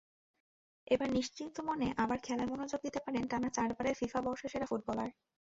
এবার নিশ্চিন্ত মনে আবার খেলায় মনোযোগ দিতে পারেন টানা চারবারের ফিফা বর্ষসেরা ফুটবলার।